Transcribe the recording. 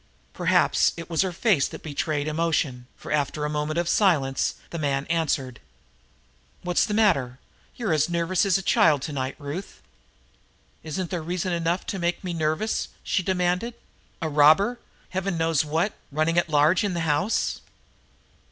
Perhaps it was her face that betrayed emotion, for after a moment of silence, the man answered. "What's the matter? You're as nervous as a child tonight, Ruth?" "Isn't there reason enough to make me nervous?" she demanded. "A robber Heaven knows what running at large in the house?"